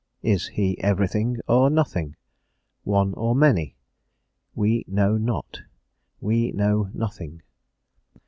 Is he everything or nothing? one or many? _We know not. We know nothing.